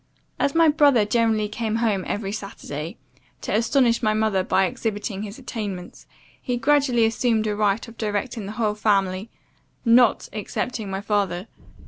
As my brother generally came home every Saturday, to astonish my mother by exhibiting his attainments, he gradually assumed a right of directing the whole family, not excepting my father.